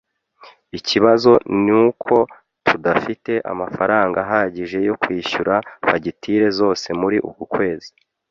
Ikibazo nuko tudafite amafaranga ahagije yo kwishyura fagitire zose muri uku kwezi.